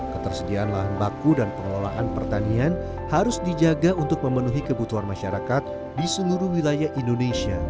ketersediaan lahan baku dan pengelolaan pertanian harus dijaga untuk memenuhi kebutuhan masyarakat di seluruh wilayah indonesia